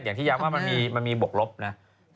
อย่างที่ย้ำว่ามันมีบวกลบนะ